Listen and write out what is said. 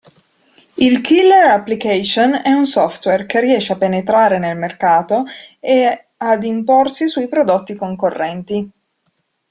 Il killer application è un software, che riesce a penetrare nel mercato e ad imporsi sui prodotti concorrenti.